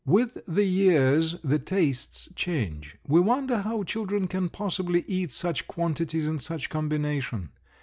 With the years the tastes change. We wonder how children can possibly eat such quantities in such combination.